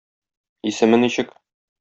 Исеме ничек?